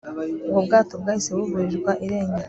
ubwo bwato bwahise buburirwa irengero